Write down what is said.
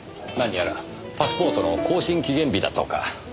何やらパスポートの更新期限日だとか。